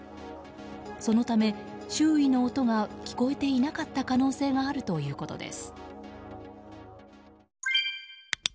そのため、周囲の音が聞こえていなかった可能性があるということです。